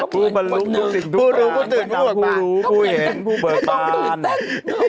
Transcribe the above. ผู้บรรลุผู้ศิษย์ดูด